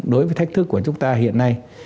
đối với thách thức của chúng ta hiện nay